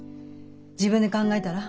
自分で考えたら？